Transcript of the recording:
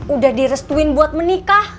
udah direstuin buat menikah